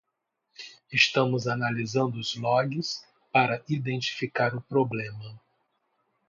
Estamos analisando os logs para identificar o problema.